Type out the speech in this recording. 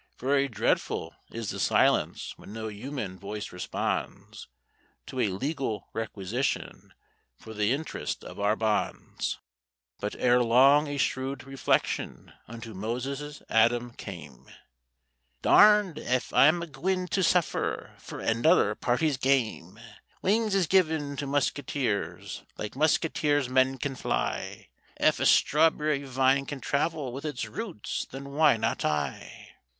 Very dreadful is the silence when no human voice responds To a legal requisition for the interest of our bonds. But ere long a shrewd reflection unto Moses Adams came— "Darned ef I'm a gwine to suffer fur another party's game; Wings is given to muskeeters—like muskeeters men can fly; Ef a strawberry vine can travel with its roots, then why not I?"